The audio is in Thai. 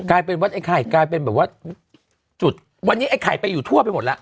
กลายเป็นวัดไอ้ไข่กลายเป็นแบบว่าจุดวันนี้ไอ้ไข่ไปอยู่ทั่วไปหมดแล้ว